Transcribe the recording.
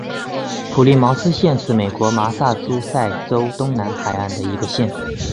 普利茅斯县是美国麻萨诸塞州东南海岸的一个县。